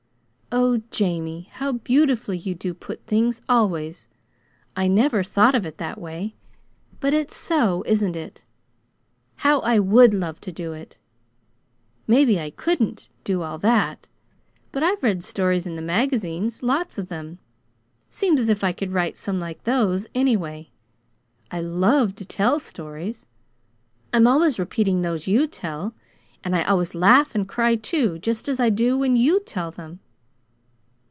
"Oh, Jamie, how beautifully you do put things always! I never thought of it that way. But it's so, isn't it? How I would love to do it! Maybe I couldn't do all that. But I've read stories in the magazines, lots of them. Seems as if I could write some like those, anyway. I LOVE to tell stories. I'm always repeating those you tell, and I always laugh and cry, too, just as I do when YOU tell them."